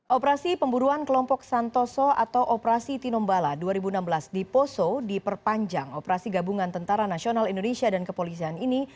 operasi pemburuan kelompok santoso atau operasi tinombala dua ribu enam belas di poso diperpanjang operasi gabungan tentara nasional indonesia dan kepolisian ini